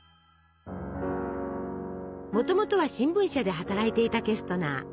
もともとは新聞社で働いていたケストナー。